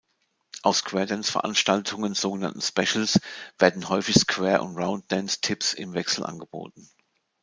Auf Square-Dance-Veranstaltungen, sogenannten "Specials", werden häufig Square- und Round-Dance-Tips im Wechsel angeboten.